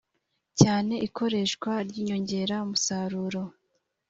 cyane ikoreshwa ry inyongeramusaruro